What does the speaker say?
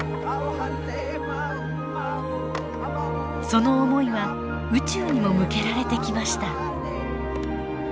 その思いは宇宙にも向けられてきました。